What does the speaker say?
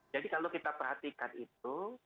jadi kalau kita perhatikan itu